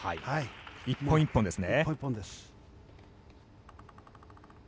１本１本ですね。